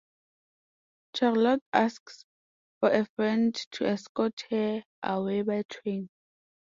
Charlotte asks for a friend to escort her away by train.